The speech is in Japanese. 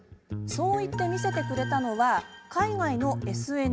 そういって見せてくれたのは海外のＳＮＳ。